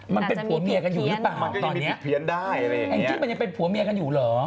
มันเป็นผัวเมียกันอยู่หรือเปล่าตอนเนี้ย